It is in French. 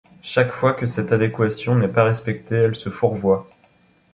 Chaque fois que cette adéquation n'est pas respectée elle se fourvoie.